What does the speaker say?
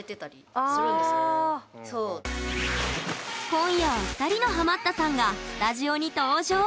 今夜は２人のハマったさんがスタジオに登場。